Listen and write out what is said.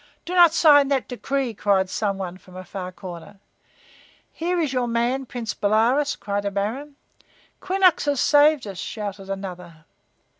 "Do not sign that decree!" cried some one from a far corner. "Here is your man, Prince Bolaroz!" cried a baron. "Quinnox has saved us!" shouted another.